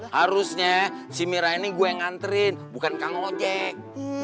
harusnya si mirah ini gue yang nganterin bukan kak ngojek